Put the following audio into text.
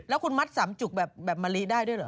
แล้วคุณมัดสามจุกแบบมะลิได้ด้วยเหรอ